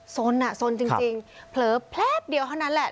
สนอ่ะสนจริงเผลอแพลบเดียวเท่านั้นแหละ